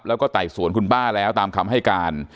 แล้วก็ไต่สวนคุณป้าแล้วตามคำให้การ